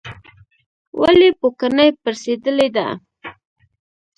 ولې پوکڼۍ پړسیدلې ده؟